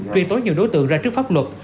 truy tố nhiều đối tượng ra trước pháp luật